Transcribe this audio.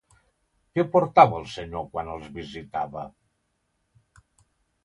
Què portava el senyor quan els visitava?